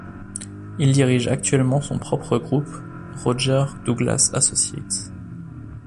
Il dirige actuellement son propre groupe, Roger Douglas Associates.